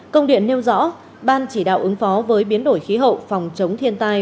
công điện nêu rõ ban chỉ đạo ứng phó với biến đổi khí hậu phòng chống thiên tai